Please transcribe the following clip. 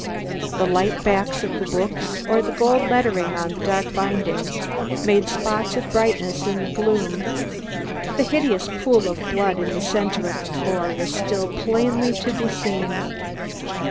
The light backs of the books, or the gold letters on the darker bindings, made spots of brightness in the gloom. The hideous pool of blood in the centre of the floor was still plainly to be seen.